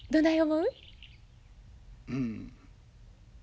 うん。